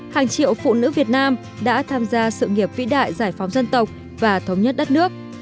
hàng triệu phụ nữ việt nam đã tham gia sự nghiệp vĩ đại giải phóng dân tộc và thống nhất đất nước